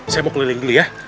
saya mau keliling dulu ya